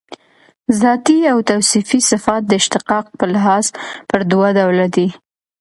ذاتي او توصیفي صفات د اشتقاق په لحاظ پر دوه ډوله دي.